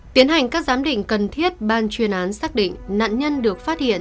tiến hành các giám định cần thiết ban chuyên án xác định nạn nhân được phát hiện